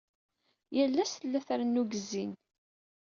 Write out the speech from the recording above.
Yal ass tella trennu deg zzin.